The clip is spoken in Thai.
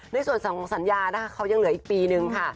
ในส่วนของสัญญานะคะเขายังเหลืออีกปีนึงค่ะ